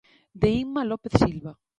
De Inma López Silva.